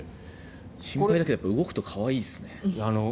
心配だけど動くと可愛いですね。